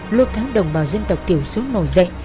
lôi tháng đồng bào dân tộc tiểu xuống nồi dậy